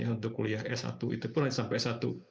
untuk kuliah s satu itu pun sampai satu